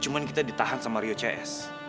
cuma kita ditahan sama rio cs